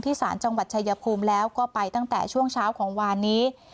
ศาลจังหวัดชายภูมิแล้วก็ไปตั้งแต่ช่วงเช้าของวานนี้